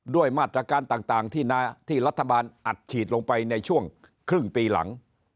ด้วยมาตรการต่างที่รัฐบาลอัดฉีดลงไปในช่วงครึ่งปีหลัง